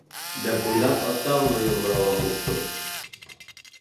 دەپ ئويلاپ ئاستاغىنە يولىغا راۋان بوپتۇ.